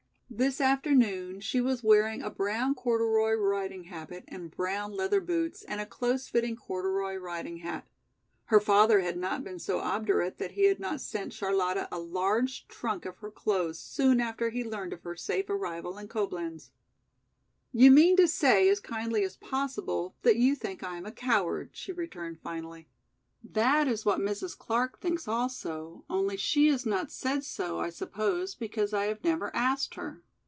This afternoon she was wearing a brown corduroy riding habit and brown leather boots and a close fitting corduroy riding hat. Her father had not been so obdurate that he had not sent Charlotta a large trunk of her clothes soon after he learned of her safe arrival in Coblenz. "You mean to say as kindly as possible that you think I am a coward," she returned finally. "That is what Mrs. Clark thinks also, only she has not said so, I suppose because I have never asked her.